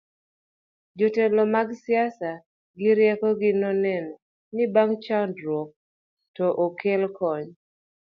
jotelo mag siasa gi rieko gi noneno ni bang' chandgruok to okel kony